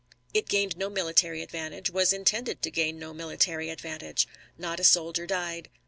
It gained no military advantage, was intended to gain no military advantage. Not a soldier died.